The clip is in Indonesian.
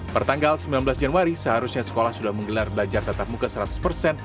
pertanggal sembilan belas januari seharusnya sekolah sudah menggelar belajar tetap muka seratus persen